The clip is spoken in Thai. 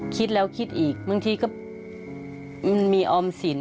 คิดแล้วคิดอีกบางทีก็มันมีออมสิน